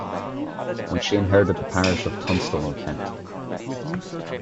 When she inherited the parish of Tunstall in Kent.